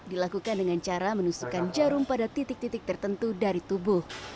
dilakukan dengan cara menusukkan jarum pada titik titik tertentu dari tubuh